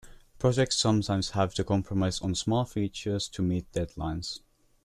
Projects sometimes have to compromise on small features to meet deadlines.